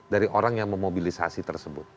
dari orang yang memobilisasi tersebut